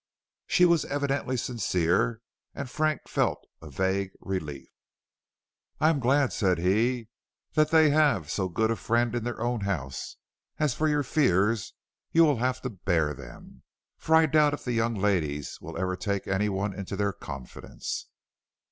She was evidently sincere, and Frank felt a vague relief. "I am glad," said he, "that they have so good a friend in their own house; as for your fears you will have to bear them, for I doubt if the young ladies will ever take any one into their confidence."